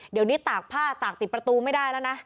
เดี๋ยวนี้ตากผ้าตากติดประตูไม่ได้แล้วนะ